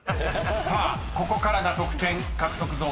［さあここからが得点獲得ゾーンです］